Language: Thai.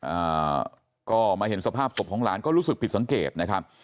อ่าก็มาเห็นสภาพศพของหลานก็รู้สึกผิดสังเกตนะครับ